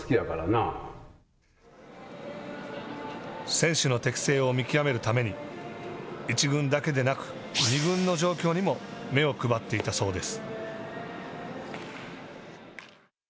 選手の適性を見極めるために１軍だけでなく２軍の状況にも目を配っていたそうです。